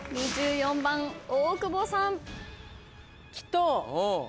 ２４番大久保さん。